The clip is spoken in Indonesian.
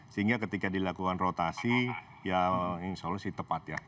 sehingga ketika dilakukan rotasi ya insya allah sih tepat ya